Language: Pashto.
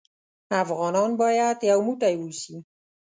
افغانان بايد يو موټى اوسې.